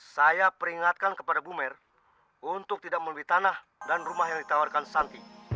saya peringatkan kepada bu mer untuk tidak membeli tanah dan rumah yang ditawarkan santi